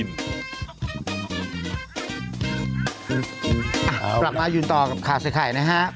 กลับมายืนต่อกับข่าวใส่ไข่นะฮะ